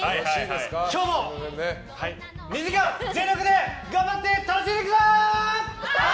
今日も２時間全力で頑張って楽しんでいくぞ！